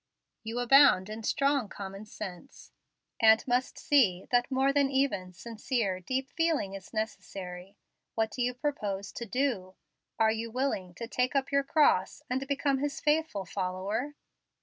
You abound in strong common sense, and must see that more that even sincere, deep feeling is necessary. What do you propose to DO? Are you willing to take up your cross and become His faithful follower?"